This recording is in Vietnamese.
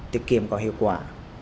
tiết kiệm có hiệu quả